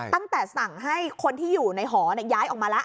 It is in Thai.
ตั้งแต่สั่งให้คนที่อยู่ในหอย้ายออกมาแล้ว